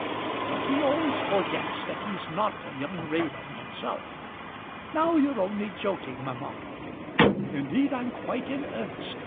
But he always forgets that he's not a young raven himself." "Now you're only joking, mamma." "Indeed I'm quite in earnest.